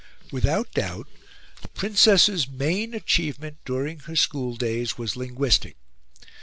Without doubt, the Princess's main achievement during her school days was linguistic.